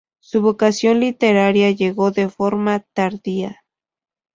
Su vocación literaria llegó de forma tardía.